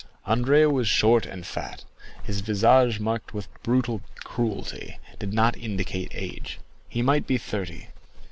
Andrea was short and fat; his visage, marked with brutal cruelty, did not indicate age; he might be thirty.